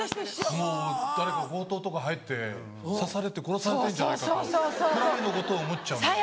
もう誰か強盗とか入って刺されて殺されてんじゃないかと。くらいのことを思っちゃう。